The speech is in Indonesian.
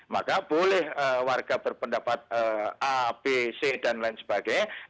maka boleh warga berpendapat a b c dan lain sebagainya